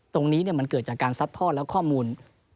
ตรงนี้มันเกิดจากการซัดทอดและข้อมูล